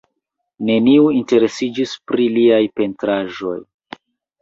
Neniu interesiĝis pri liaj pentraĵoj.